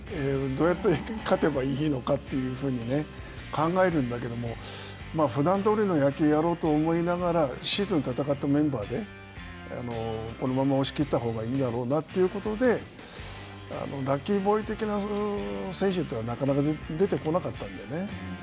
どうやって勝てばいいのかというふうに考えるんだけどもふだんどおりの野球をやろうと思いながら、シーズンを戦ったメンバーでこのまま押し切ったほうがいいんだろうなということで、ラッキーボーイ的な選手というのはなかなか出てこなかったんでね。